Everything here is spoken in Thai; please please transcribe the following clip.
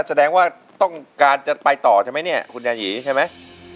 ดูทัศน์แสดงว่าต้องการจะไปต่อใช่มั้ยเนี่ยคุณยาหยีใช่มั้ย